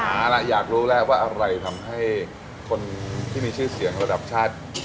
เอาล่ะอยากรู้แล้วว่าอะไรทำให้คนที่มีชื่อเสียงระดับชาติ